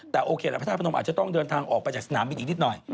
แต่โอเคละพระธาตุพนมอาจจะต้องเดินทางออกไปจากสนามบินอีกนิดหน่อย